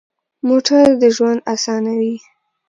موټر د ژوند اسانوي.